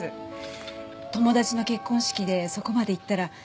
友達の結婚式でそこまで行ったら急な雨で。